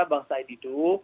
bang syadeh itu